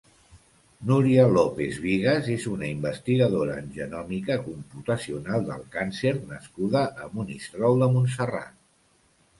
Núria López Bigas és una investigadora en genòmica computacional del càncer nascuda a Monistrol de Montserrat.